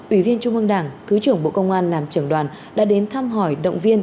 ủy viên trung ương đảng thứ trưởng bộ công an làm trưởng đoàn đã đến thăm hỏi động viên